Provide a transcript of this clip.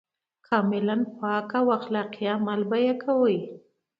کاملاً پاک او اخلاقي عمل به کوي.